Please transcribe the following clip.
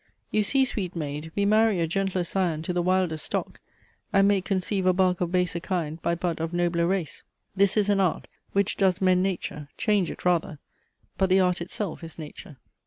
You see, sweet maid, we marry A gentler scion to the wildest stock; And make conceive a bark of baser kind By bud of nobler race. This is an art, Which does mend nature, change it rather; but The art itself is nature."